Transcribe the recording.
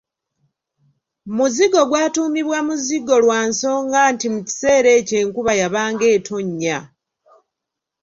Muzigo gwatuumibwa Muzigo lwa nsonga nti mu kiseera ekyo enkuba yabanga etonnya.